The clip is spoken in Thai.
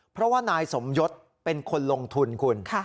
เพราะว่านายสมยศเป็นคนลงทุนคุณ